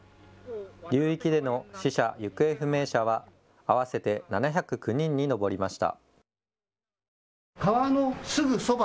流域での死者、行方不明者は合わせて７０９人に上りました。